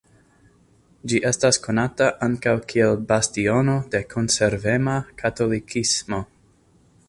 Ĝi estas konata ankaŭ kiel bastiono de konservema katolikismo.